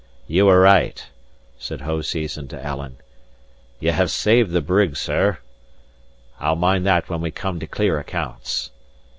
"Ye were right," said Hoseason to Alan. "Ye have saved the brig, sir. I'll mind that when we come to clear accounts."